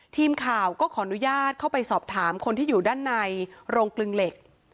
ทีมข่าวก็ขออนุญาตเข้าไปสอบถามคนที่อยู่ด้านในโรงกลึงเหล็ก